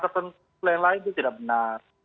tertentu lain lain itu tidak benar